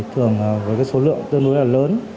thường với số lượng tương đối lớn